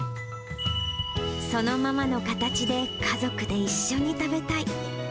そのままの形で家族で一緒に食べたい。